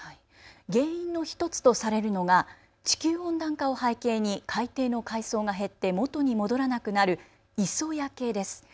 原因の１つとされるのが地球温暖化を背景に海底の海藻が減って元に戻らなくなる磯焼けです。